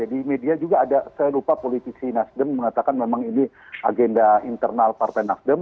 di media juga ada saya lupa politisi nasdem mengatakan memang ini agenda internal partai nasdem